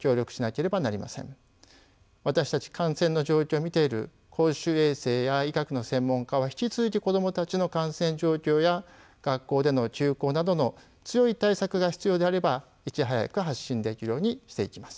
私たち感染の状況を見ている公衆衛生や医学の専門家は引き続き子どもたちの感染状況や学校での休校などの強い対策が必要であればいち早く発信できるようにしていきます。